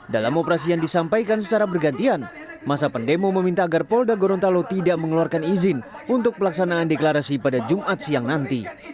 dalam operasi yang disampaikan secara bergantian masa pendemo meminta agar polda gorontalo tidak mengeluarkan izin untuk pelaksanaan deklarasi pada jumat siang nanti